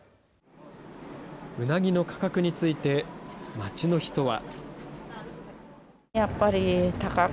うなぎの価格について街の人は。